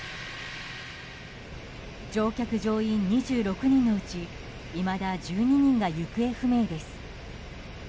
乗客・乗員２６人のうちいまだ１２人が行方不明です。